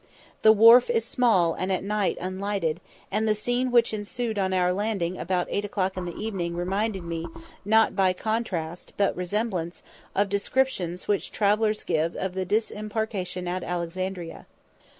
The wharf is small and at night unlighted, and the scene which ensued on our landing about eight o'clock in the evening reminded me, not by contrast, but resemblance, of descriptions which travellers give of the disembarkation at Alexandria.